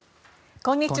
こんにちは。